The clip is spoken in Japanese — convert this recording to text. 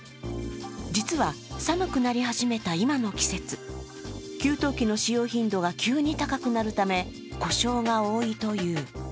実は寒くなり始めた今の季節、給湯器の使用頻度が急に高くなるため、故障が多いという。